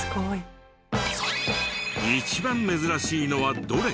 一番珍しいのはどれ？